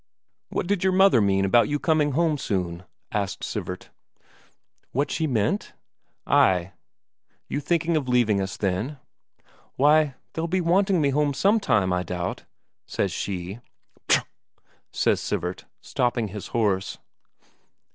"What did your mother mean about you coming home soon?" asked Sivert. "What she meant?" "Ay. You thinking of leaving us, then?" "Why, they'll be wanting me home some time, I doubt," says she. "Ptro!" says Sivert, stopping his horse.